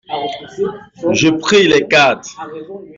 Je pris les cartes.